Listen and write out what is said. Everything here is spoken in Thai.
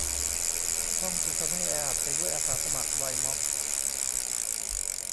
ห้องถูกทำให้แออัดไปด้วยอาสาสมัคร ไวด์ม๊อบ